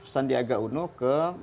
sandiaga uno ke